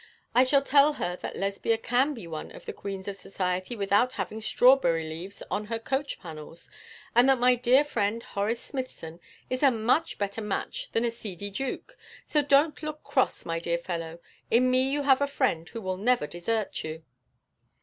I shall tell her that Lesbia can be one of the queens of society without having strawberry leaves on her coach panels, and that my dear friend Horace Smithson is a much better match than a seedy duke. So don't look cross, my dear fellow; in me you have a friend who will never desert you.'